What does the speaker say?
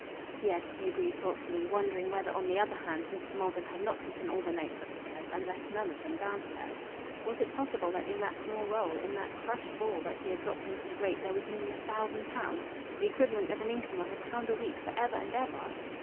"Yes," he agreed thoughtfully, wondering whether on the other hand, Mrs. Maldon had not taken all the notes upstairs, and left none of them downstairs. Was it possible that in that small roll, in that crushed ball that he had dropped into the grate, there was nearly a thousand pounds the equivalent of an income of a pound a week for ever and ever?...